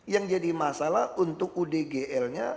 yang jadi masalah untuk udgl nya